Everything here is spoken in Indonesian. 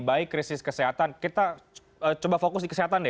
baik krisis kesehatan kita coba fokus di kesehatan deh